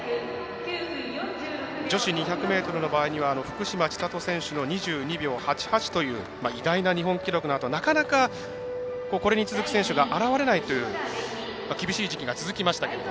女子２００ｍの場合福島千里選手の２２秒８８という偉大な日本記録のあとなかなかこれに続く選手が現れないという厳しい時期が続きましたけれど。